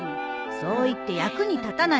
そう言って役に立たない物